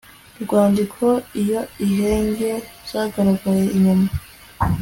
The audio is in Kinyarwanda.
rwandiko iyo inenge zagaragaye nyuma